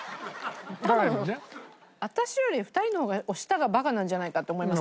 私より２人の方がお舌がバカなんじゃないかって思います